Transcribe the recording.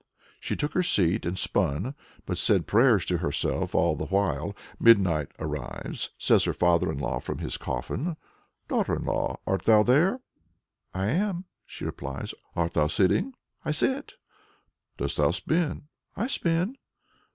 She took her seat and spun, but said prayers to herself all the while. Midnight arrives. Says her father in law from his coffin "Daughter in law, art thou there?" "I am," she replies. "Art thou sitting?" "I sit." "Dost thou spin?" "I spin."